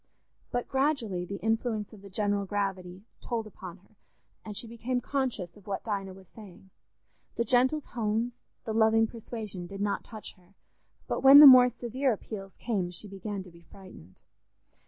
But gradually the influence of the general gravity told upon her, and she became conscious of what Dinah was saying. The gentle tones, the loving persuasion, did not touch her, but when the more severe appeals came she began to be frightened.